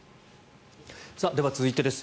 では続いてです。